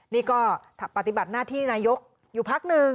นี่ก็ปฏิบัติหน้าที่นายกอยู่พักหนึ่ง